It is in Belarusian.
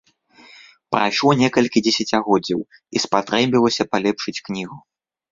Прайшло некалькі дзесяцігоддзяў, і спатрэбілася палепшыць кнігу.